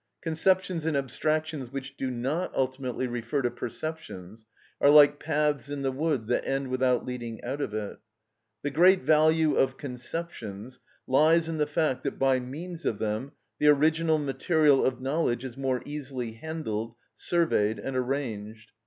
Conceptions and abstractions which do not ultimately refer to perceptions are like paths in the wood that end without leading out of it. The great value of conceptions lies in the fact that by means of them the original material of knowledge is more easily handled, surveyed, and arranged.